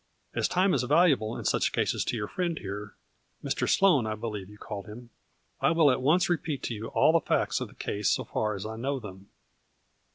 *'" As time is valuable in such cases to your friend here, Mr. Sloane I believe you called him, I will at once repeat to you all the facts of the case so far as I know them.